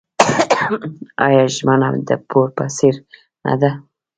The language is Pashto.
آیا ژمنه د پور په څیر نه ده؟